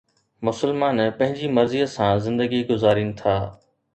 مسلمان پنهنجي مرضيءَ سان زندگي گذارين ٿا